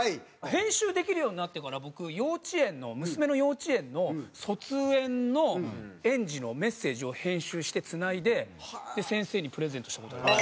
編集できるようになってから僕幼稚園の娘の幼稚園の卒園の園児のメッセージを編集してつないで先生にプレゼントした事ある。